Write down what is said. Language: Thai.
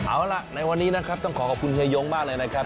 เอาล่ะในวันนี้นะครับต้องขอขอบคุณเฮยงมากเลยนะครับ